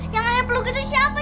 yang ayah peluk itu siapa